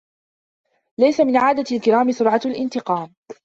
لَيْسَ مِنْ عَادَةِ الْكِرَامِ سُرْعَةُ الِانْتِقَامِ